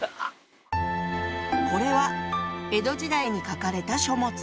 これは江戸時代に書かれた書物。